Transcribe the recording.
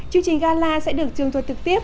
chương trình gala sẽ được trường thuật trực tiếp